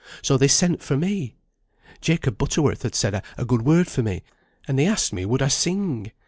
So they sent for me. Jacob Butterworth had said a good word for me, and they asked me would I sing?